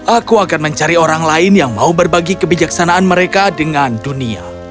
aku akan mencari orang lain yang mau berbagi kebijaksanaan mereka dengan dunia